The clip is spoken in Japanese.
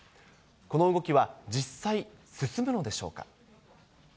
この動きは実際、進むのでしょうか。